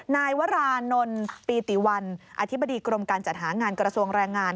นายวรานนท์ปีติวันอธิบดีกรมการจัดหางานกระทรวงแรงงาน